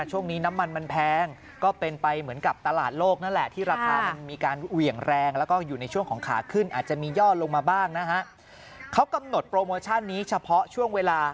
ช่วงนี้น้ำมันมันแพงก็เป็นไปเหมือนกับตลาดโลกนั่นแหละ